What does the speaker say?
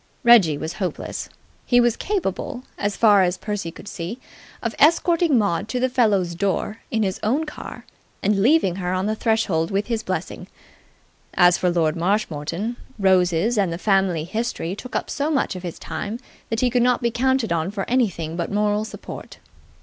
Reggie was hopeless: he was capable, as far as Percy could see, of escorting Maud to the fellow's door in his own car and leaving her on the threshold with his blessing. As for Lord Marshmoreton, roses and the family history took up so much of his time that he could not be counted on for anything but moral support.